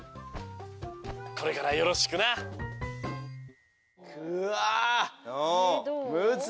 「これからよろしくな」うわ。